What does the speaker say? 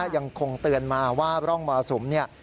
ยังคงเตือนมาว่าร่องมรสุมเนี่ย